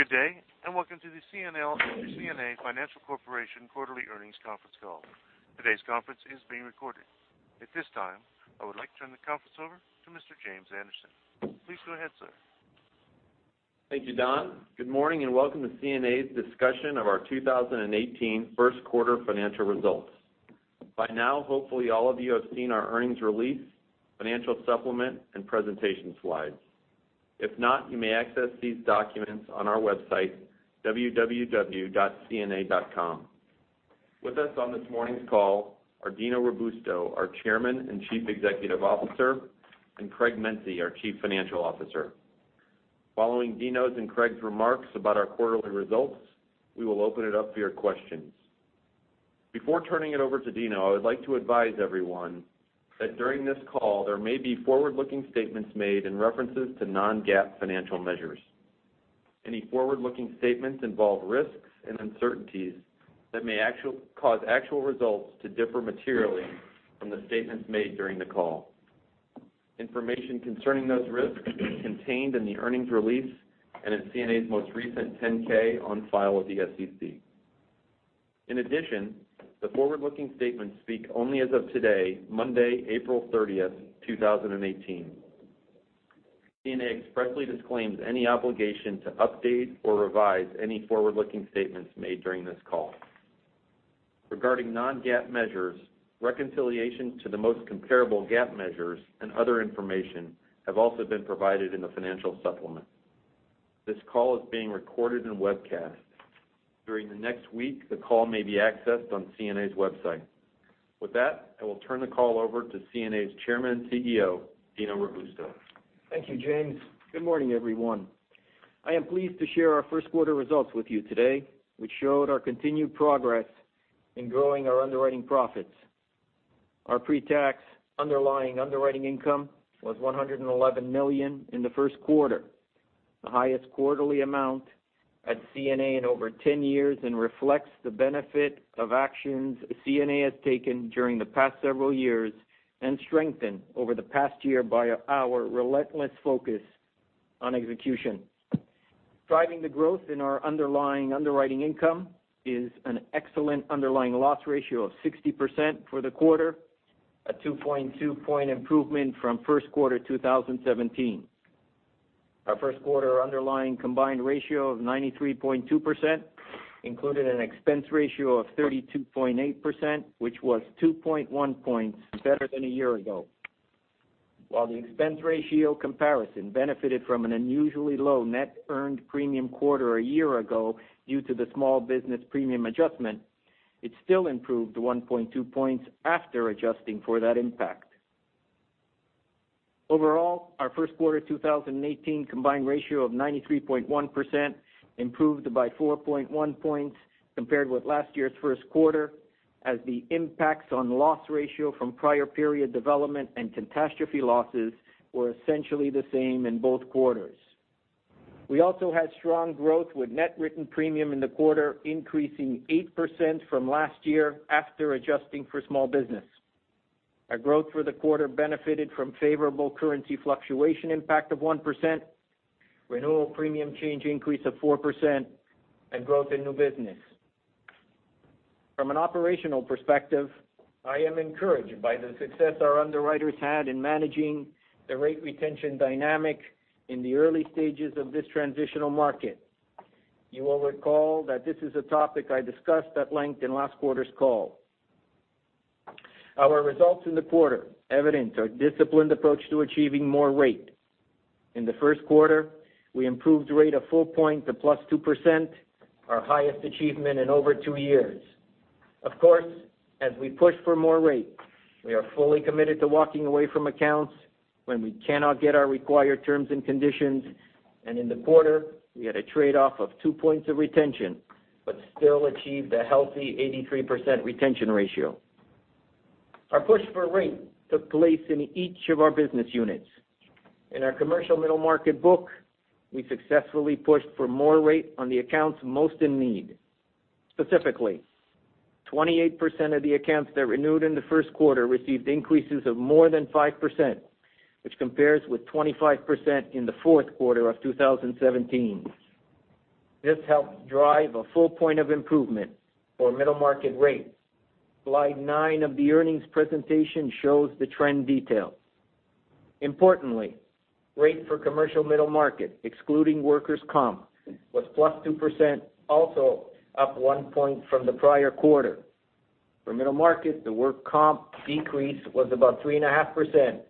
Good day, and welcome to the CNA/CNA Financial Corporation quarterly earnings conference call. Today's conference is being recorded. At this time, I would like to turn the conference over to Mr. James Anderson. Please go ahead, sir. Thank you, Don. Good morning, and welcome to CNA's discussion of our 2018 first quarter financial results. By now, hopefully, all of you have seen our earnings release, financial supplement, and presentation slides. If not, you may access these documents on our website, www.cna.com. With us on this morning's call are Dino Robusto, our Chairman and Chief Executive Officer, and Craig Mense, our Chief Financial Officer. Following Dino's and Craig's remarks about our quarterly results, we will open it up for your questions. Before turning it over to Dino, I would like to advise everyone that during this call, there may be forward-looking statements made and references to non-GAAP financial measures. Any forward-looking statements involve risks and uncertainties that may cause actual results to differ materially from the statements made during the call. Information concerning those risks is contained in the earnings release and in CNA's most recent 10-K on file with the SEC. The forward-looking statements speak only as of today, Monday, April 30th, 2018. CNA expressly disclaims any obligation to update or revise any forward-looking statements made during this call. Regarding non-GAAP measures, reconciliation to the most comparable GAAP measures and other information have also been provided in the financial supplement. This call is being recorded and webcast. During the next week, the call may be accessed on CNA's website. With that, I will turn the call over to CNA's Chairman and CEO, Dino Robusto. Thank you, James. Good morning, everyone. I am pleased to share our first quarter results with you today, which showed our continued progress in growing our underwriting profits. Our pre-tax underlying underwriting income was $111 million in the first quarter, the highest quarterly amount at CNA in over 10 years, and reflects the benefit of actions CNA has taken during the past several years and strengthened over the past year by our relentless focus on execution. Driving the growth in our underlying underwriting income is an excellent underlying loss ratio of 60% for the quarter, a 2.2-point improvement from first quarter 2017. Our first quarter underlying combined ratio of 93.2% included an expense ratio of 32.8%, which was 2.1 points better than a year ago. While the expense ratio comparison benefited from an unusually low net earned premium quarter a year ago due to the small business premium adjustment, it still improved to 1.2 points after adjusting for that impact. Overall, our first quarter 2018 combined ratio of 93.1% improved by 4.1 points compared with last year's first quarter, as the impacts on loss ratio from prior period development and catastrophe losses were essentially the same in both quarters. We also had strong growth with net written premium in the quarter increasing 8% from last year after adjusting for small business. Our growth for the quarter benefited from favorable currency fluctuation impact of 1%, renewal premium change increase of 4%, and growth in new business. From an operational perspective, I am encouraged by the success our underwriters had in managing the rate retention dynamic in the early stages of this transitional market. You will recall that this is a topic I discussed at length in last quarter's call. Our results in the quarter evidenced our disciplined approach to achieving more rate. In the first quarter, we improved rate a full point to plus 2%, our highest achievement in over two years. Of course, as we push for more rate, we are fully committed to walking away from accounts when we cannot get our required terms and conditions, and in the quarter, we had a trade-off of two points of retention, but still achieved a healthy 83% retention ratio. Our push for rate took place in each of our business units. In our commercial middle market book, we successfully pushed for more rate on the accounts most in need. Specifically, 28% of the accounts that renewed in the first quarter received increases of more than 5%, which compares with 25% in the fourth quarter of 2017. This helped drive a full point of improvement for middle market rates. Slide nine of the earnings presentation shows the trend detail. Importantly, rate for commercial middle market, excluding workers' comp, was plus 2%, also up one point from the prior quarter. For middle market, the work comp decrease was about 3.5%,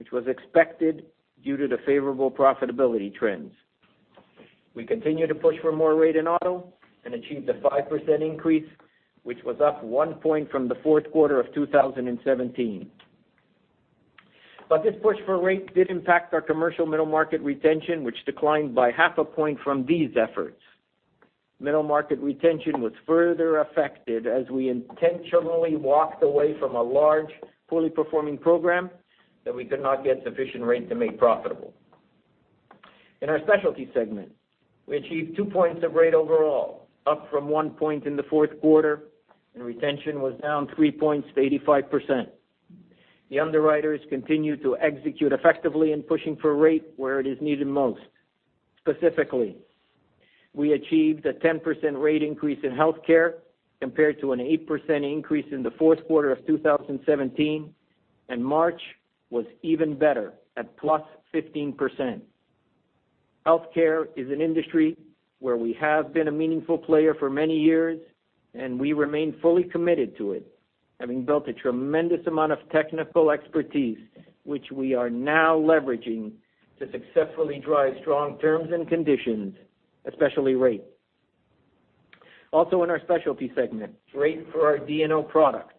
which was expected due to the favorable profitability trends. We continue to push for more rate in auto and achieved a 5% increase, which was up one point from the fourth quarter of 2017. This push for rate did impact our commercial middle market retention, which declined by half a point from these efforts. Middle market retention was further affected as we intentionally walked away from a large, poorly performing program that we could not get sufficient rate to make profitable. In our specialty segment, we achieved two points of rate overall, up from one point in the fourth quarter, and retention was down three points to 85%. The underwriters continue to execute effectively in pushing for rate where it is needed most. Specifically, we achieved a 10% rate increase in healthcare compared to an 8% increase in the fourth quarter of 2017, and March was even better at plus 15%. Healthcare is an industry where we have been a meaningful player for many years, and we remain fully committed to it, having built a tremendous amount of technical expertise, which we are now leveraging to successfully drive strong terms and conditions, especially rate. Also in our specialty segment, rate for our D&O product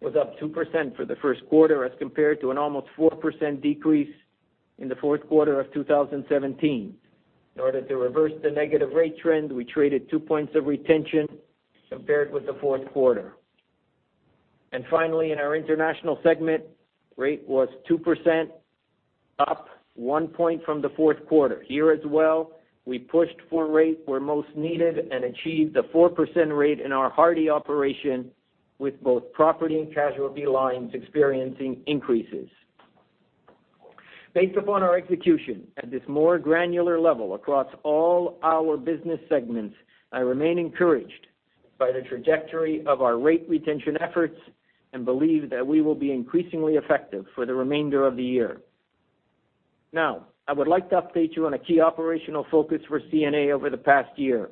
was up 2% for the first quarter as compared to an almost 4% decrease in the fourth quarter of 2017. In order to reverse the negative rate trend, we traded two points of retention compared with the fourth quarter. Finally, in our international segment, rate was 2% up one point from the fourth quarter. Here as well, we pushed for rate where most needed and achieved a 4% rate in our Hardy operation with both property and casualty lines experiencing increases. Based upon our execution at this more granular level across all our business segments, I remain encouraged by the trajectory of our rate retention efforts and believe that we will be increasingly effective for the remainder of the year. I would like to update you on a key operational focus for CNA over the past year.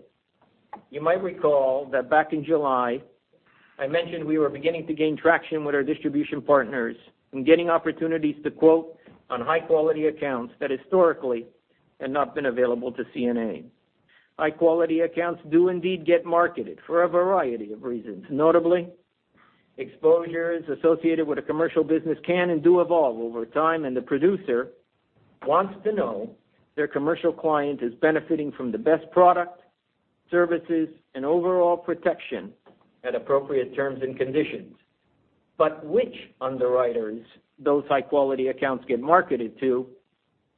You might recall that back in July, I mentioned we were beginning to gain traction with our distribution partners in getting opportunities to quote on high-quality accounts that historically had not been available to CNA. High-quality accounts do indeed get marketed for a variety of reasons. Notably, exposures associated with a commercial business can and do evolve over time, the producer wants to know their commercial client is benefiting from the best product, services, and overall protection at appropriate terms and conditions. Which underwriters those high-quality accounts get marketed to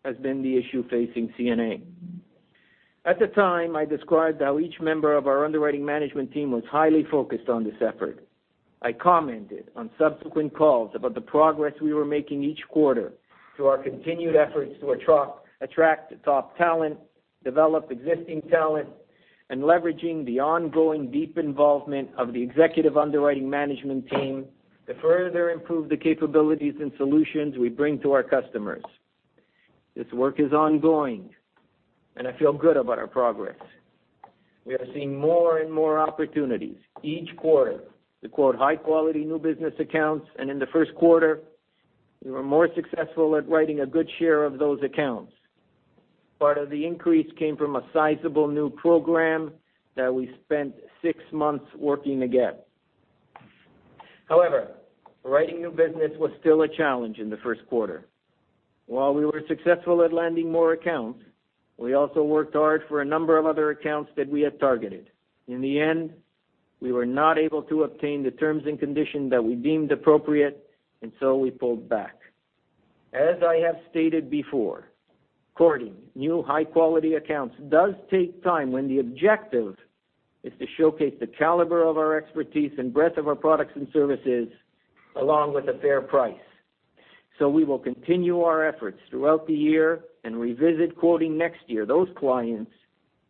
has been the issue facing CNA. At the time, I described how each member of our underwriting management team was highly focused on this effort. I commented on subsequent calls about the progress we were making each quarter through our continued efforts to attract the top talent, develop existing talent, leveraging the ongoing deep involvement of the executive underwriting management team to further improve the capabilities and solutions we bring to our customers. This work is ongoing, I feel good about our progress. We are seeing more and more opportunities each quarter to quote high-quality new business accounts, in the first quarter, we were more successful at writing a good share of those accounts. Part of the increase came from a sizable new program that we spent six months working to get. Writing new business was still a challenge in the first quarter. While we were successful at landing more accounts, we also worked hard for a number of other accounts that we had targeted. In the end, we were not able to obtain the terms and conditions that we deemed appropriate, we pulled back. As I have stated before, quoting new high-quality accounts does take time when the objective is to showcase the caliber of our expertise and breadth of our products and services, along with a fair price. We will continue our efforts throughout the year and revisit quoting next year those clients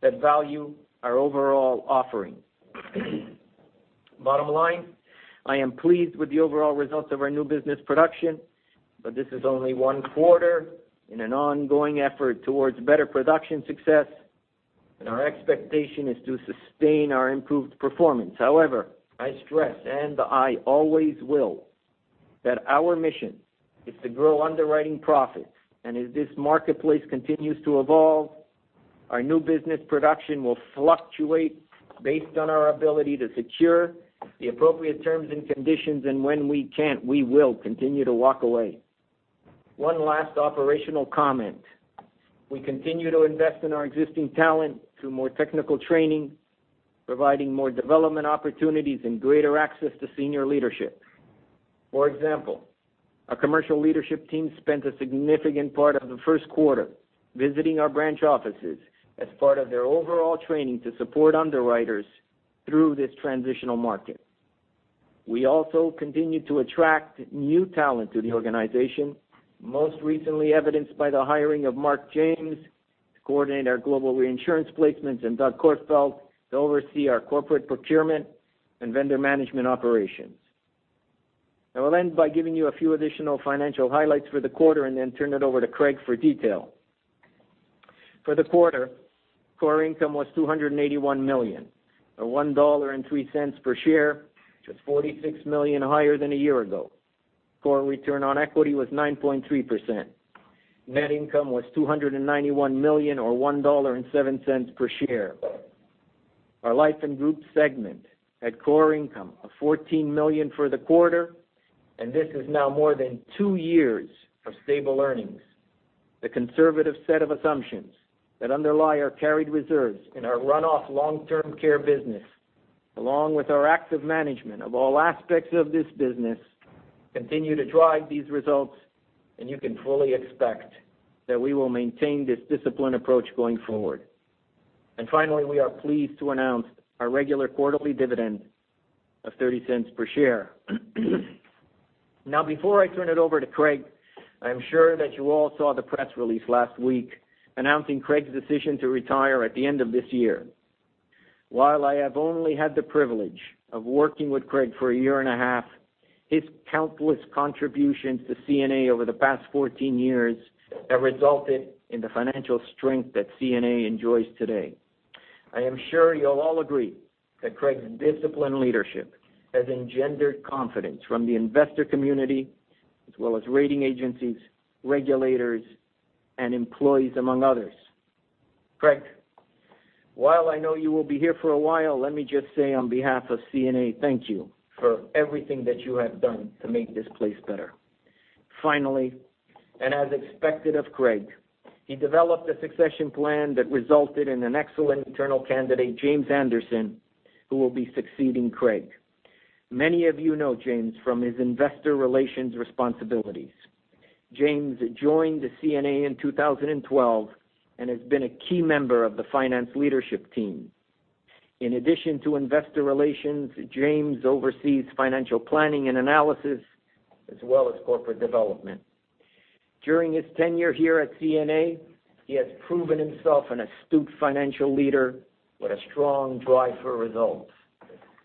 that value our overall offering. Bottom line, I am pleased with the overall results of our new business production, this is only one quarter in an ongoing effort towards better production success, our expectation is to sustain our improved performance. I stress, I always will, that our mission is to grow underwriting profits. As this marketplace continues to evolve, our new business production will fluctuate based on our ability to secure the appropriate terms and conditions, and when we can't, we will continue to walk away. One last operational comment. We continue to invest in our existing talent through more technical training, providing more development opportunities and greater access to senior leadership. For example, our commercial leadership team spent a significant part of the first quarter visiting our branch offices as part of their overall training to support underwriters through this transitional market. We also continue to attract new talent to the organization, most recently evidenced by the hiring of Mark James to coordinate our global reinsurance placements and Doug Kortfelt to oversee our corporate procurement and vendor management operations. I will end by giving you a few additional financial highlights for the quarter and then turn it over to Craig for detail. For the quarter, core income was $281 million, or $1.03 per share, which was $46 million higher than a year ago. Core return on equity was 9.3%. Net income was $291 million, or $1.07 per share. Our life and group segment had core income of $14 million for the quarter, and this is now more than two years of stable earnings. The conservative set of assumptions that underlie our carried reserves in our run-off long-term care business, along with our active management of all aspects of this business, continue to drive these results, and you can fully expect that we will maintain this disciplined approach going forward. Finally, we are pleased to announce our regular quarterly dividend of $0.30 per share. Before I turn it over to Craig, I'm sure that you all saw the press release last week announcing Craig's decision to retire at the end of this year. While I have only had the privilege of working with Craig for a year and a half, his countless contributions to CNA over the past 14 years have resulted in the financial strength that CNA enjoys today. I am sure you'll all agree that Craig's disciplined leadership has engendered confidence from the investor community as well as rating agencies, regulators, and employees, among others. Craig, while I know you will be here for a while, let me just say on behalf of CNA, thank you for everything that you have done to make this place better. Finally, as expected of Craig, he developed a succession plan that resulted in an excellent internal candidate, James Anderson, who will be succeeding Craig. Many of you know James from his investor relations responsibilities. James joined CNA in 2012 and has been a key member of the finance leadership team. In addition to investor relations, James oversees financial planning and analysis, as well as corporate development. During his tenure here at CNA, he has proven himself an astute financial leader with a strong drive for results.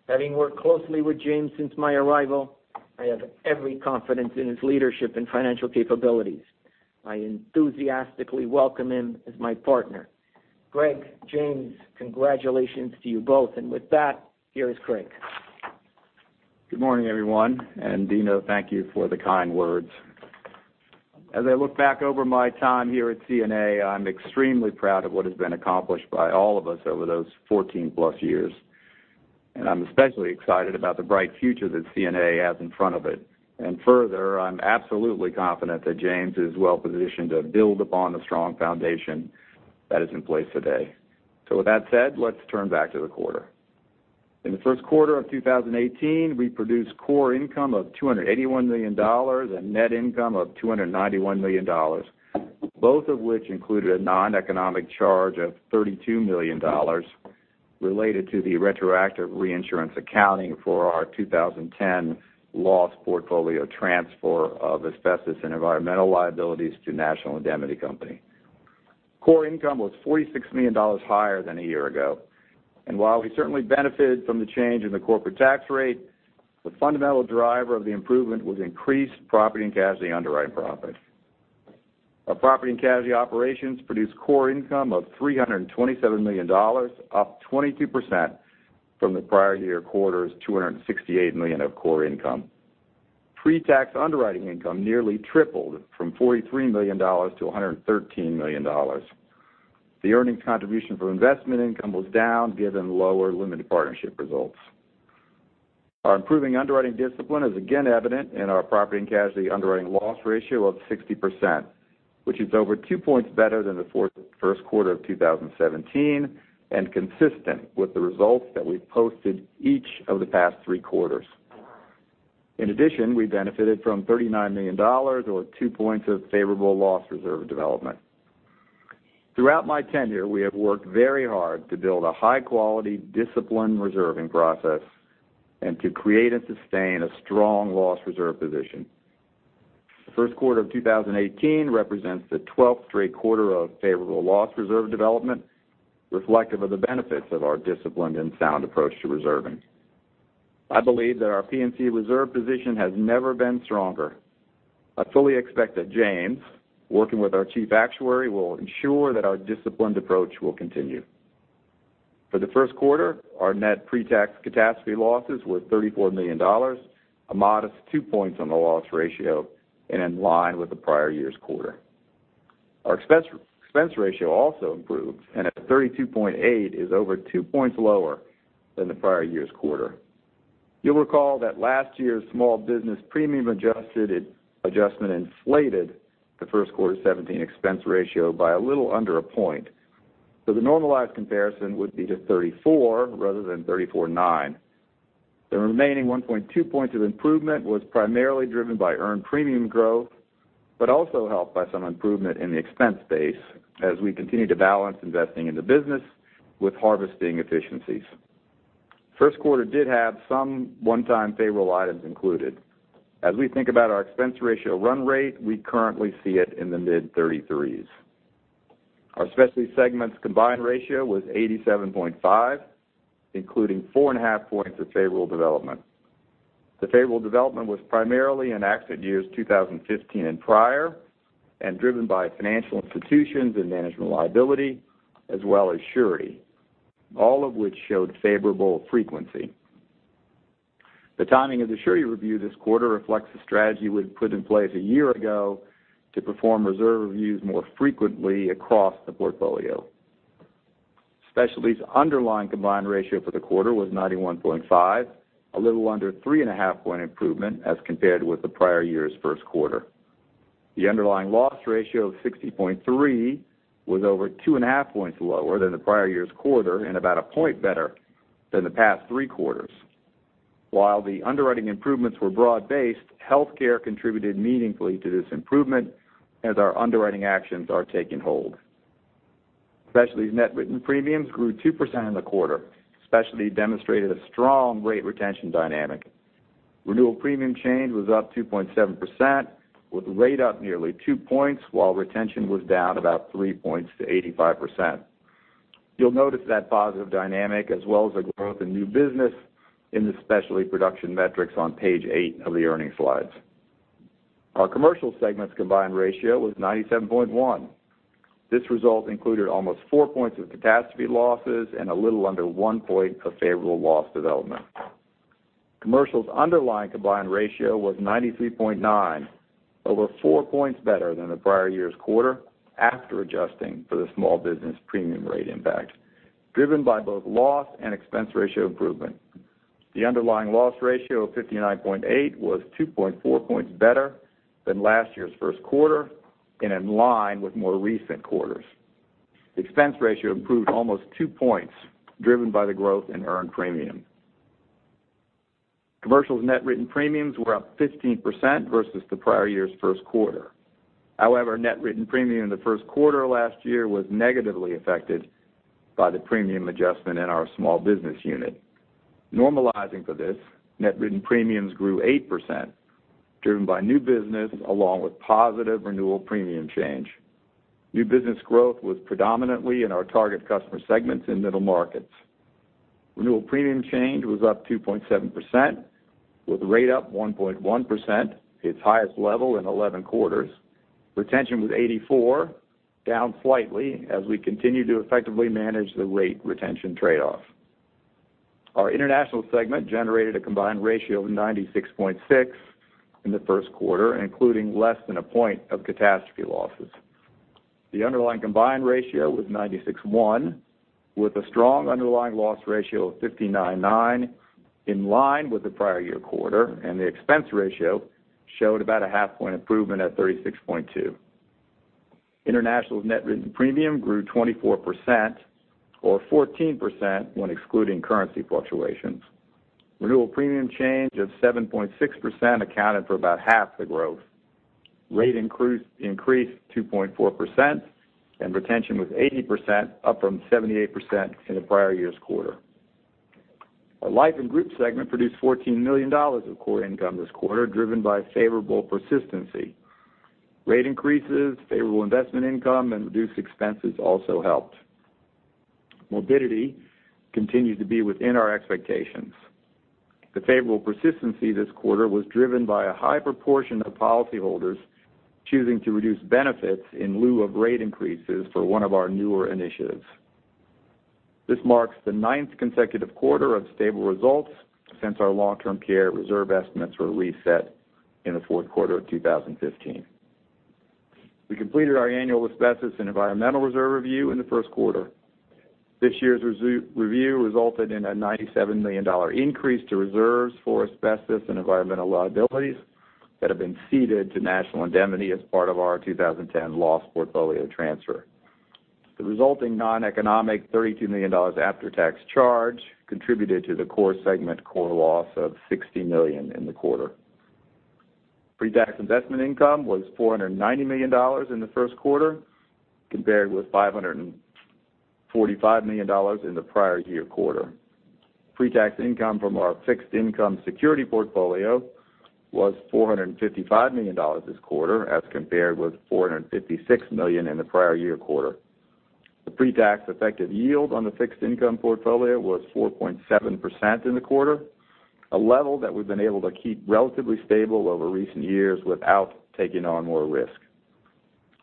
Having worked closely with James since my arrival, I have every confidence in his leadership and financial capabilities. I enthusiastically welcome him as my partner. Craig, James, congratulations to you both. With that, here is Craig. Good morning, everyone, Dino, thank you for the kind words. As I look back over my time here at CNA, I am extremely proud of what has been accomplished by all of us over those 14+ years, and I am especially excited about the bright future that CNA has in front of it. Further, I am absolutely confident that James is well positioned to build upon the strong foundation that is in place today. With that said, let us turn back to the quarter. In the first quarter of 2018, we produced core income of $281 million and net income of $291 million, both of which included a non-economic charge of $32 million related to the retroactive reinsurance accounting for our 2010 loss portfolio transfer of asbestos and environmental liabilities to National Indemnity Company. Core income was $46 million higher than a year ago. While we certainly benefited from the change in the corporate tax rate, the fundamental driver of the improvement was increased property and casualty underwriting profit. Our property and casualty operations produced core income of $327 million, up 22% from the prior year quarter's $268 million of core income. Pre-tax underwriting income nearly tripled from $43 million to $113 million. The earnings contribution for investment income was down given lower limited partnership results. Our improving underwriting discipline is again evident in our property and casualty underwriting loss ratio of 60%, which is over two points better than the first quarter of 2017, and consistent with the results that we have posted each of the past three quarters. In addition, we benefited from $39 million or two points of favorable loss reserve development. Throughout my tenure, we have worked very hard to build a high-quality, disciplined reserving process and to create and sustain a strong loss reserve position. The first quarter of 2018 represents the 12th straight quarter of favorable loss reserve development, reflective of the benefits of our disciplined and sound approach to reserving. I believe that our P&C reserve position has never been stronger. I fully expect that James, working with our chief actuary, will ensure that our disciplined approach will continue. For the first quarter, our net pre-tax catastrophe losses were $34 million, a modest two points on the loss ratio, and in line with the prior year's quarter. Our expense ratio also improved, and at 32.8, is over two points lower than the prior year's quarter. You will recall that last year's small business premium adjustment inflated the first quarter 2017 expense ratio by a little under a point. The normalized comparison would be to 34 rather than 34.9. The remaining 1.2 points of improvement was primarily driven by earned premium growth, but also helped by some improvement in the expense base as we continue to balance investing in the business with harvesting efficiencies. First quarter did have some one-time favorable items included. As we think about our expense ratio run rate, we currently see it in the mid-33s. Our specialty segment's combined ratio was 87.5, including 4.5 points of favorable development. The favorable development was primarily in accident years 2015 and prior, and driven by financial institutions and management liability, as well as surety, all of which showed favorable frequency. The timing of the surety review this quarter reflects the strategy we had put in place a year ago to perform reserve reviews more frequently across the portfolio. Specialty's underlying combined ratio for the quarter was 91.5, a little under three and a half point improvement as compared with the prior year's first quarter. The underlying loss ratio of 60.3 was over two and a half points lower than the prior year's quarter and about one point better than the past three quarters. While the underwriting improvements were broad-based, healthcare contributed meaningfully to this improvement as our underwriting actions are taking hold. Specialty's net written premiums grew 2% in the quarter. Specialty demonstrated a strong rate retention dynamic. Renewal premium change was up 2.7%, with rate up nearly two points while retention was down about three points to 85%. You'll notice that positive dynamic, as well as the growth in new business in the specialty production metrics on page eight of the earning slides. Our commercial segment's combined ratio was 97.1. This result included almost four points of catastrophe losses and a little under one point of favorable loss development. Commercial's underlying combined ratio was 93.9, over four points better than the prior year's quarter after adjusting for the small business premium rate impact, driven by both loss and expense ratio improvement. The underlying loss ratio of 59.8 was 2.4 points better than last year's first quarter and in line with more recent quarters. Expense ratio improved almost two points, driven by the growth in earned premium. Commercial's net written premiums were up 15% versus the prior year's first quarter. Net written premium in the first quarter of last year was negatively affected by the premium adjustment in our small business unit. Normalizing for this, net written premiums grew 8%, driven by new business along with positive renewal premium change. New business growth was predominantly in our target customer segments in middle markets. Renewal premium change was up 2.7%, with rate up 1.1%, its highest level in 11 quarters. Retention was 84%, down slightly as we continue to effectively manage the rate retention trade-off. Our international segment generated a combined ratio of 96.6 in the first quarter, including less than one point of catastrophe losses. The underlying combined ratio was 96.1, with a strong underlying loss ratio of 59.9, in line with the prior year quarter, and the expense ratio showed about a half point improvement at 36.2. International's net written premium grew 24%, or 14% when excluding currency fluctuations. Renewal premium change of 7.6% accounted for about half the growth. Rate increased 2.4%, and retention was 80%, up from 78% in the prior year's quarter. Our life and group segment produced $14 million of core income this quarter, driven by favorable persistency. Rate increases, favorable investment income, and reduced expenses also helped. Morbidity continued to be within our expectations. The favorable persistency this quarter was driven by a high proportion of policyholders choosing to reduce benefits in lieu of rate increases for one of our newer initiatives. This marks the ninth consecutive quarter of stable results since our long-term care reserve estimates were reset in the fourth quarter of 2015. We completed our annual asbestos and environmental reserve review in the first quarter. This year's review resulted in a $97 million increase to reserves for asbestos and environmental liabilities that have been ceded to National Indemnity as part of our 2010 loss portfolio transfer. The resulting noneconomic $32 million after-tax charge contributed to the core segment core loss of $60 million in the quarter. Pretax investment income was $490 million in the first quarter, compared with $545 million in the prior year quarter. Pretax income from our fixed income security portfolio was $455 million this quarter as compared with $456 million in the prior year quarter. The pretax effective yield on the fixed income portfolio was 4.7% in the quarter, a level that we've been able to keep relatively stable over recent years without taking on more risk.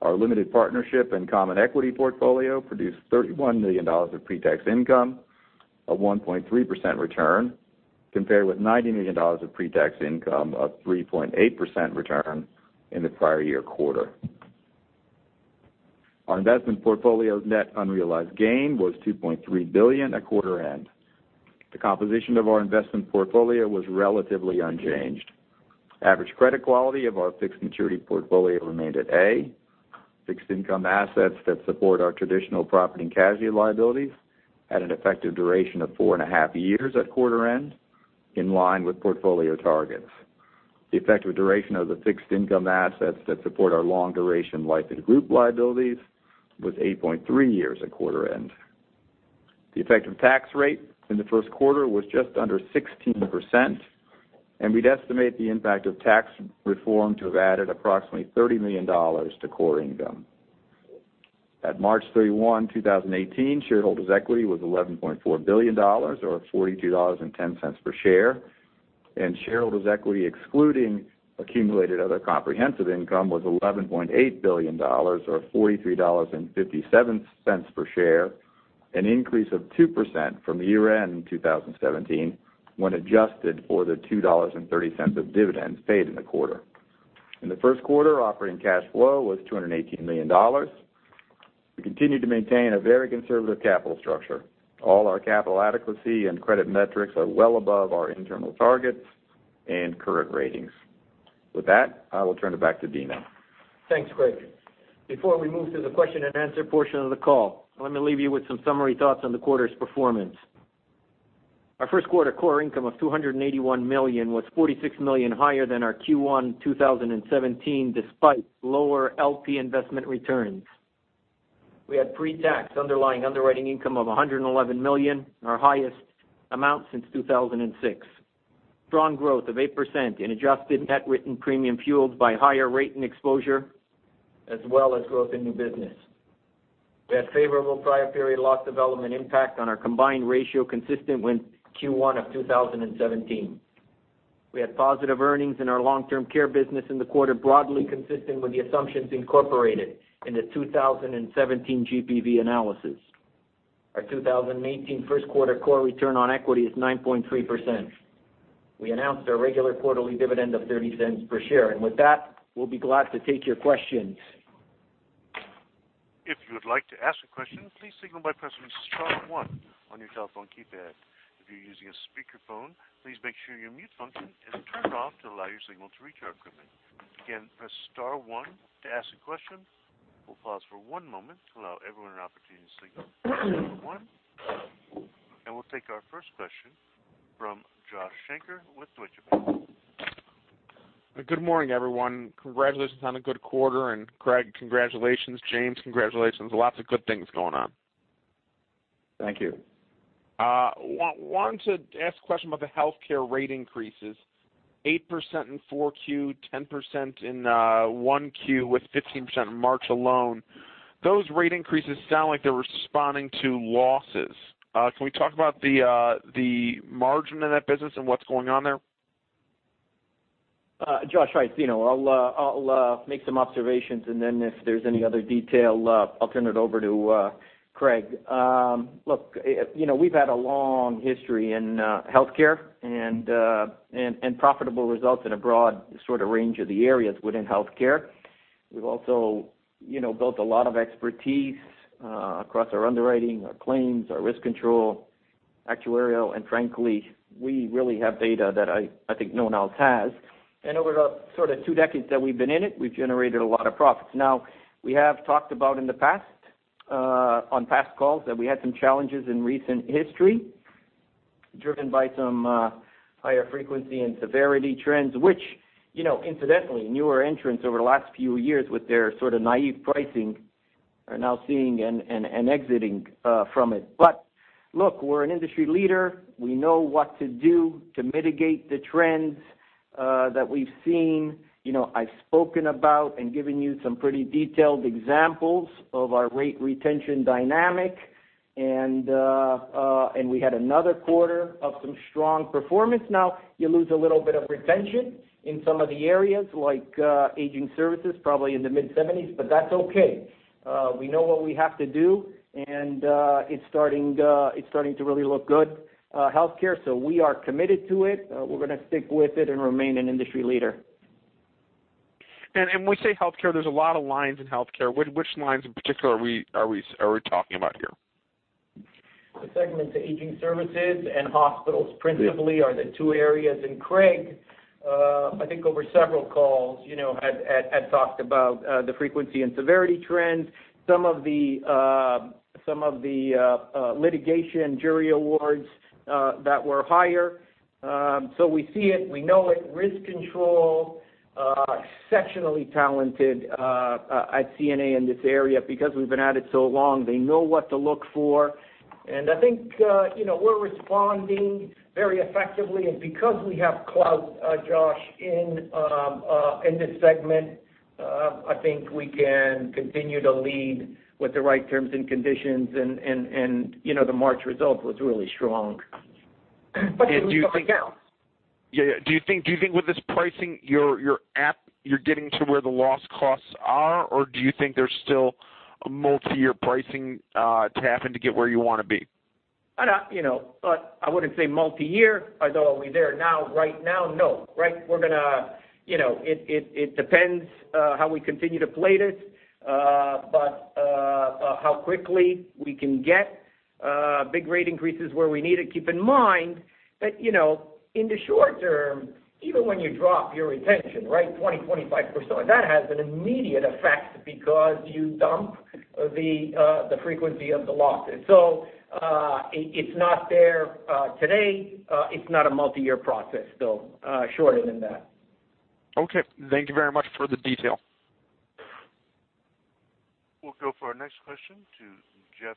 Our limited partnership and common equity portfolio produced $31 million of pretax income, a 1.3% return, compared with $90 million of pretax income, a 3.8% return, in the prior year quarter. Our investment portfolio's net unrealized gain was $2.3 billion at quarter end. The composition of our investment portfolio was relatively unchanged. Average credit quality of our fixed maturity portfolio remained at A. Fixed income assets that support our traditional property and casualty liabilities at an effective duration of four and a half years at quarter end, in line with portfolio targets. The effective duration of the fixed income assets that support our long duration life and group liabilities was 8.3 years at quarter end. The effective tax rate in the first quarter was just under 16%. We'd estimate the impact of tax reform to have added approximately $30 million to core income. At March 31, 2018, shareholders' equity was $11.4 billion, or $42.10 per share, and shareholders' equity excluding accumulated other comprehensive income was $11.8 billion or $43.57 per share, an increase of 2% from year-end 2017 when adjusted for the $2.30 of dividends paid in the quarter. In the first quarter, operating cash flow was $218 million. We continue to maintain a very conservative capital structure. All our capital adequacy and credit metrics are well above our internal targets and current ratings. With that, I will turn it back to Dino. Thanks, D. Craig Mense. Before we move to the question and answer portion of the call, let me leave you with some summary thoughts on the quarter's performance. Our first quarter core income of $281 million was $46 million higher than our Q1 2017, despite lower LP investment returns. We had pre-tax underlying underwriting income of $111 million, our highest amount since 2006. Strong growth of 8% in adjusted net written premium fueled by higher rate and exposure, as well as growth in new business. We had favorable prior period loss development impact on our combined ratio, consistent with Q1 of 2017. We had positive earnings in our long-term care business in the quarter, broadly consistent with the assumptions incorporated in the 2017 GPV analysis. Our 2018 first quarter core return on equity is 9.3%. We announced our regular quarterly dividend of $0.30 per share. With that, we'll be glad to take your questions. If you would like to ask a question, please signal by pressing star one on your telephone keypad. If you're using a speakerphone, please make sure your mute function is turned off to allow your signal to reach our equipment. Again, press star one to ask a question. We'll pause for one moment to allow everyone an opportunity to signal for one, and we'll take our first question from Joshua Shanker with Deutsche Bank. Good morning, everyone. Congratulations on a good quarter. Craig, congratulations. James, congratulations. Lots of good things going on. Thank you. Wanted to ask a question about the healthcare rate increases, 8% in four Q, 10% in one Q with 15% in March alone. Those rate increases sound like they're responding to losses. Can we talk about the margin in that business and what's going on there? Josh, hi. It's Dino, I'll make some observations and then if there's any other detail, I'll turn it over to Craig. Look, we've had a long history in healthcare and profitable results in a broad sort of range of the areas within healthcare. We've also built a lot of expertise across our underwriting, our claims, our risk control, actuarial, and frankly, we really have data that I think no one else has. Over the sort of two decades that we've been in it, we've generated a lot of profits. We have talked about in the past, on past calls, that we had some challenges in recent history driven by some higher frequency and severity trends, which incidentally, newer entrants over the last few years with their sort of naive pricing are now seeing and exiting from it. Look, we're an industry leader. We know what to do to mitigate the trends that we've seen. I've spoken about and given you some pretty detailed examples of our rate retention dynamic. We had another quarter of some strong performance. You lose a little bit of retention in some of the areas like aging services, probably in the mid-70s, but that's okay. We know what we have to do, and it's starting to really look good, healthcare. We are committed to it. We're going to stick with it and remain an industry leader. When you say healthcare, there's a lot of lines in healthcare. Which lines in particular are we talking about here? The segment to aging services and hospitals principally are the two areas. Craig, I think over several calls had talked about the frequency and severity trends, some of the litigation jury awards that were higher. We see it, we know it. Risk control, exceptionally talented at CNA in this area because we've been at it so long. They know what to look for. I think we're responding very effectively. Because we have clout, Josh, in this segment, I think we can continue to lead with the right terms and conditions, the March result was really strong. Do you think There's something else. Yeah. Do you think with this pricing, you're getting to where the loss costs are, or do you think there's still a multi-year pricing tapping to get where you want to be? I wouldn't say multi-year. Are we there now? Right now, no. It depends how we continue to play this, how quickly we can get big rate increases where we need it. Keep in mind that, in the short term, even when you drop your retention, 20%-25%, that has an immediate effect because you dump the frequency of the losses. It's not there today. It's not a multi-year process. Shorter than that. Okay. Thank you very much for the detail. We'll go for our next question to Jeff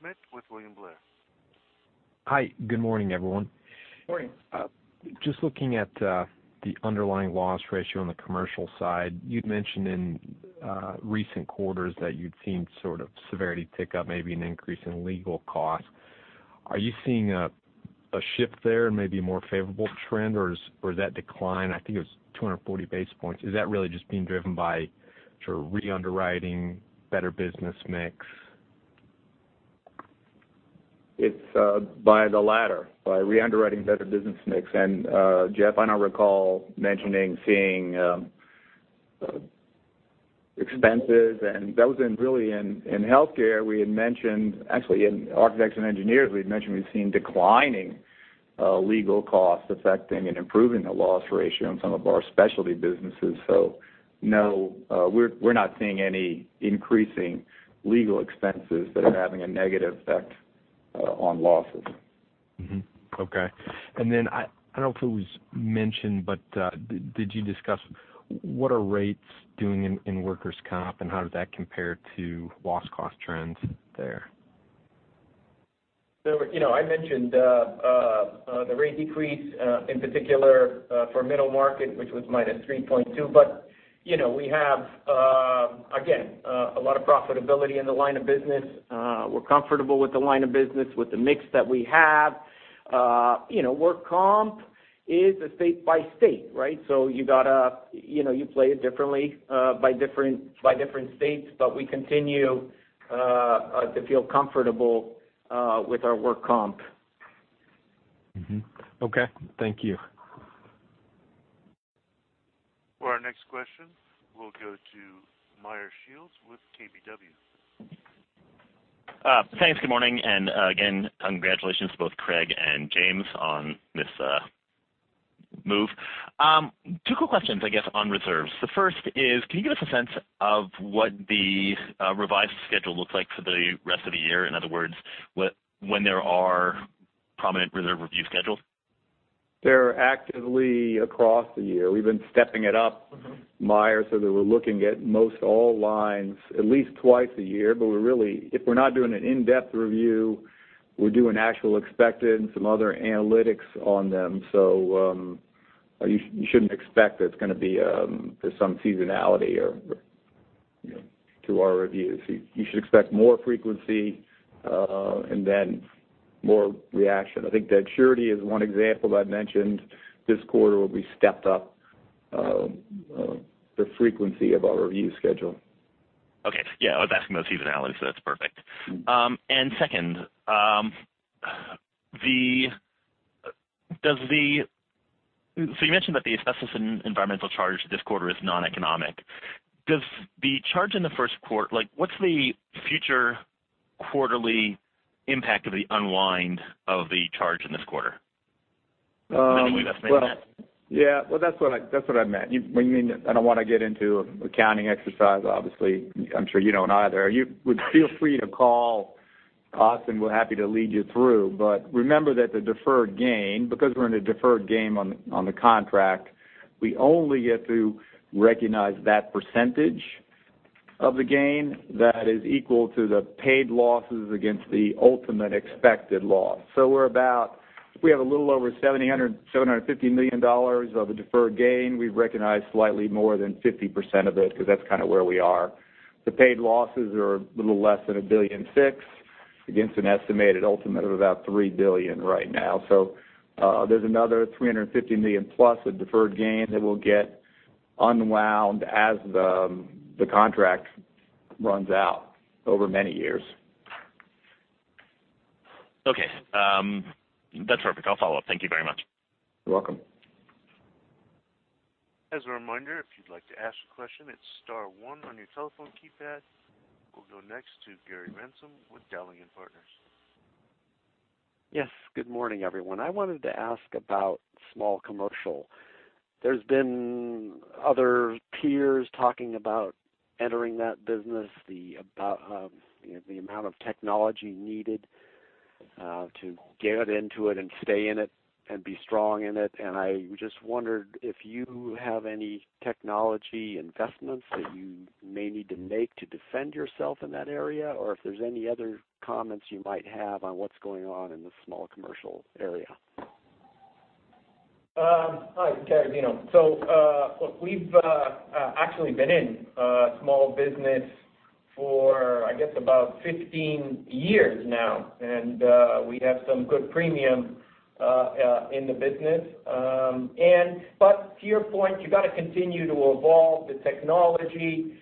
Schmitt with William Blair. Hi, good morning, everyone. Morning. Just looking at the underlying loss ratio on the commercial side, you'd mentioned in recent quarters that you'd seen sort of severity tick up, maybe an increase in legal costs. Are you seeing a shift there and maybe a more favorable trend, or is that decline, I think it was 240 basis points, is that really just being driven by sort of re-underwriting better business mix? It's by the latter, by re-underwriting better business mix. Jeff, I now recall mentioning seeing expenses, that was in really in healthcare, we had mentioned, actually in architects and engineers, we had mentioned we've seen declining legal costs affecting and improving the loss ratio in some of our specialty businesses. No, we're not seeing any increasing legal expenses that are having a negative effect on losses. Mm-hmm. Okay. Then, I don't know if it was mentioned, but did you discuss what are rates doing in workers' comp, and how does that compare to loss cost trends there? I mentioned the rate decrease, in particular, for middle market, which was minus 3.2. We have, again, a lot of profitability in the line of business. We're comfortable with the line of business with the mix that we have. Work comp is a state by state, right? You play it differently by different states, we continue to feel comfortable with our work comp. Mm-hmm. Okay. Thank you. For our next question, we'll go to Meyer Shields with KBW. Thanks. Good morning. Again, congratulations to both Craig and James on this move. Two quick questions, I guess, on reserves. The first is, can you give us a sense of what the revised schedule looks like for the rest of the year? In other words, when there are prominent reserve review schedules? They're actively across the year. We've been stepping it up, Meyer, so that we're looking at most all lines at least twice a year. If we're not doing an in-depth review, we're doing actual expected and some other analytics on them. You shouldn't expect there's going to be some seasonality to our reviews. You should expect more frequency, then more reaction. I think that surety is one example that I mentioned this quarter where we stepped up the frequency of our review schedule. Okay. Yeah, I was asking about seasonality, that's perfect. Second, you mentioned that the asbestos and environmental charge this quarter is non-economic. Does the charge in the first quarter, what's the future quarterly impact of the unwind of the charge in this quarter? Is that the way that's meant? Yeah. Well, that's what I meant. I don't want to get into accounting exercise, obviously. I'm sure you don't either. Feel free to call us, we're happy to lead you through. Remember that the deferred gain, because we're in a deferred gain on the contract, we only get to recognize that percentage of the gain that is equal to the paid losses against the ultimate expected loss. We have a little over $750 million of a deferred gain. We've recognized slightly more than 50% of it because that's kind of where we are. The paid losses are a little less than $1.6 billion, against an estimated ultimate of about $3 billion right now. There's another $350 million plus of deferred gain that will get unwound as the contract runs out over many years. Okay. That's perfect. I'll follow up. Thank you very much. You're welcome. As a reminder, if you'd like to ask a question, it's star one on your telephone keypad. We'll go next to Gary Ransom with Dowling & Partners. Yes. Good morning, everyone. I wanted to ask about small commercial. There's been other peers talking about entering that business, the amount of technology needed to get into it and stay in it and be strong in it. I just wondered if you have any technology investments that you may need to make to defend yourself in that area, or if there's any other comments you might have on what's going on in the small commercial area. Hi, it's Dino. We've actually been in small business for, I guess, about 15 years now, and we have some good premium in the business. To your point, you got to continue to evolve the technology.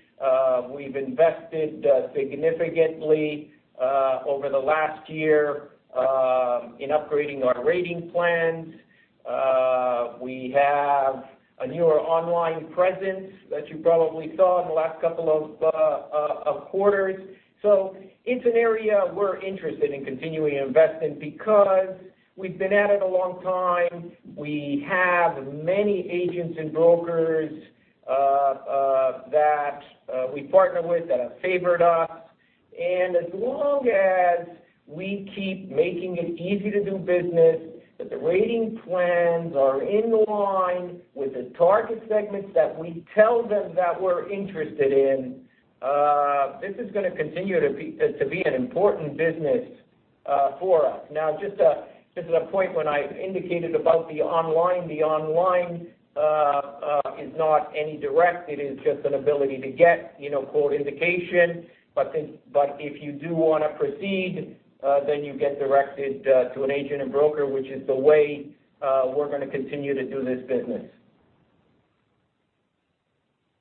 We've invested significantly over the last year in upgrading our rating plans. We have a newer online presence that you probably saw in the last couple of quarters. It's an area we're interested in continuing to invest in because we've been at it a long time. We have many agents and brokers that we partner with that have favored us. As long as we keep making it easy to do business, that the rating plans are in line with the target segments that we tell them that we're interested in, this is going to continue to be an important business for us. Just as a point when I indicated about the online, the online is not any direct. It is just an ability to get quote indication. If you do want to proceed, you get directed to an agent and broker, which is the way we're going to continue to do this business.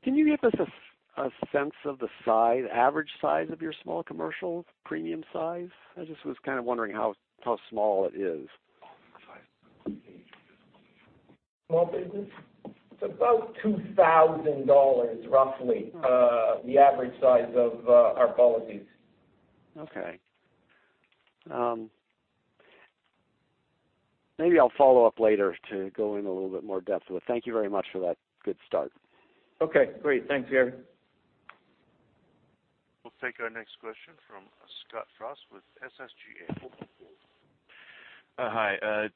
Can you give us a sense of the average size of your small commercial premium size? I just was kind of wondering how small it is. Small business? It's about $2,000, roughly, the average size of our policies. Okay. Maybe I'll follow up later to go in a little bit more depth, but thank you very much for that good start. Okay, great. Thanks, Gary. We'll take our next question from Scott Frost with SSGA. Hi.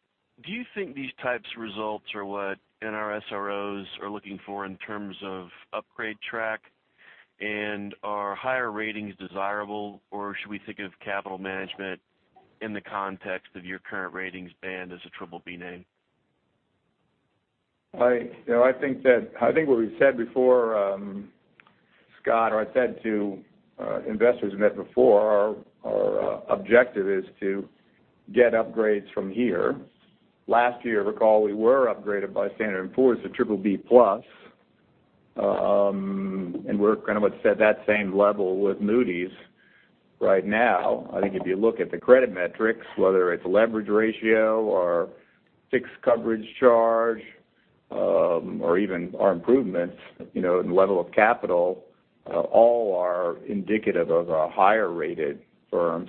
Do you think these types of results are what NRSROs are looking for in terms of upgrade track? Are higher ratings desirable, or should we think of capital management in the context of your current ratings band as a triple B name? I think what we've said before, Scott, or I said to investors we met before, our objective is to get upgrades from here. Last year, recall, we were upgraded by Standard & Poor's to triple B plus. We're kind of at that same level with Moody's right now. I think if you look at the credit metrics, whether it's leverage ratio or fixed coverage charge, or even our improvements in the level of capital, all are indicative of a higher-rated firm.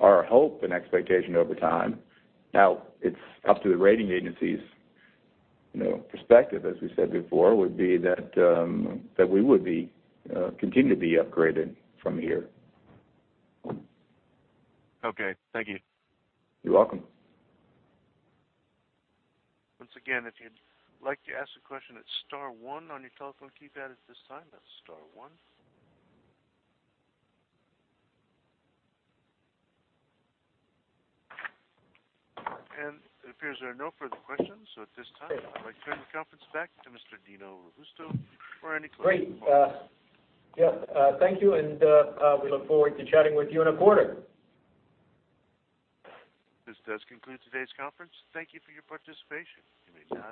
Our hope and expectation over time, now it's up to the rating agencies' perspective, as we said before, would be that we would continue to be upgraded from here. Okay. Thank you. You're welcome. Once again, if you'd like to ask a question, it's star one on your telephone keypad at this time. That's star one. It appears there are no further questions. At this time, I'd like to turn the conference back to Mr. Dino Robusto for any closing remarks. Great. Yeah, thank you, and we look forward to chatting with you in a quarter. This does conclude today's conference. Thank you for your participation. You may now disconnect.